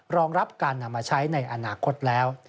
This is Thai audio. รองรับการนำมาใช้ในอนาคตแล้ว